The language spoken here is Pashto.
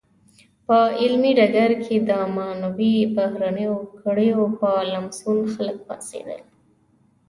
په علمي ډګر کې د معینو بهرنیو کړیو په لمسون خلک پاڅېدل.